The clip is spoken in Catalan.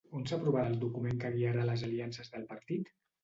On s'aprovarà el document que guiarà les aliances del partit?